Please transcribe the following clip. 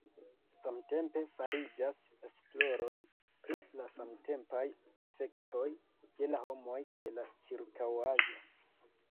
Samtempe fariĝas esploroj pri la samtempaj efektoj je la homoj kaj la ĉirkaŭaĵo.